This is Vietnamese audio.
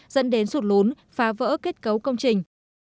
dẫn đến sụt lún phá vỡ kết cấu công trình